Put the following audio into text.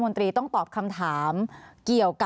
สวัสดีค่ะคุณผู้ชมค่ะสิ่งที่คาดว่าอาจจะเกิดขึ้นแล้วนะคะ